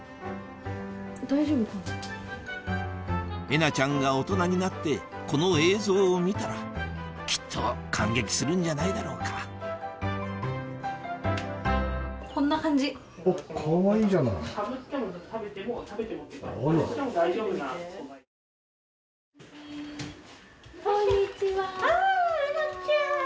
えなちゃんが大人になってこの映像を見たらきっと感激するんじゃないだろうかこんにちは。